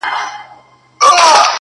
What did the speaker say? اوس ماشومان وینم له پلاره سره لوبي کوي!